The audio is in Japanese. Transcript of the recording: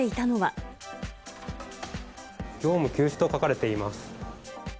業務休止と書かれています。